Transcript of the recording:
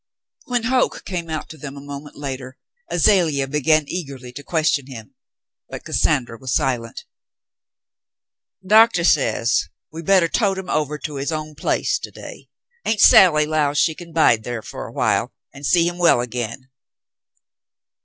When Hoke came out to them a moment later, Azalea began eagerly to question him, but Cassandra was silent. "Doctah says we bettah tote 'im ovah to his own place to day. Aunt Sally 'lows she can bide thar fer a while an' see him well again."